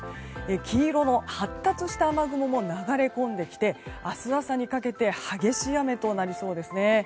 黄色の発達した雨雲も流れ込んできて、明日朝にかけて激しい雨になりそうですね。